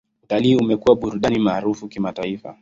Utalii umekuwa burudani maarufu kimataifa.